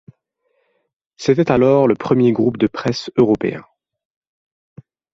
C'était alors le premier groupe de presse européen.